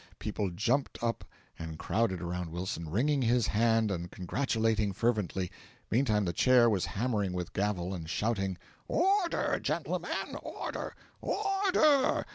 People jumped up and crowded around Wilson, wringing his hand and congratulating fervently meantime the Chair was hammering with the gavel and shouting: "Order, gentlemen! Order! Order!